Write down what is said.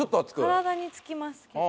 体につきます結構。